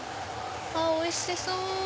あっおいしそう！